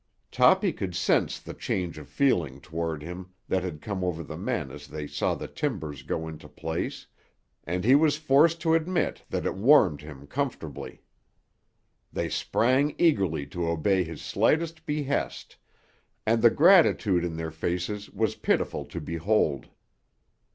Toppy could sense the change of feeling toward him that had come over the men as they saw the timbers go into place, and he was forced to admit that it warmed him comfortably. They sprang eagerly to obey his slightest behest, and the gratitude in their faces was pitiful to behold.